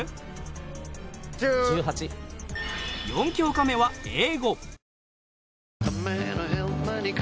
４教科目は英語。